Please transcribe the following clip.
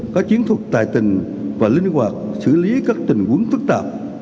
có chiến thuật tài tình và linh hoạt xử lý các tình huống phức tạp